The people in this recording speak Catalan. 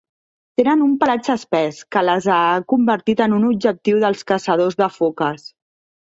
Tenen un pelatge espès que les ha convertit en un objectiu dels caçadors de foques.